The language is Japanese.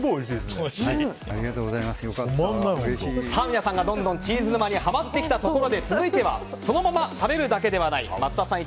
皆さんがどんどんチーズ沼にハマってきたところで続いてはそのまま食べるだけではない桝田さん